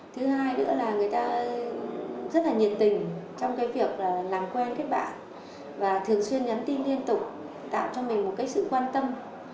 thứ hai nữa là người ta rất nhiệt tình trong việc làm quen các bạn và thường xuyên nhắn tin liên tục tạo cho mình một sự quan tâm